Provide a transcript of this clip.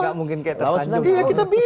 gak mungkin kayak tersanjung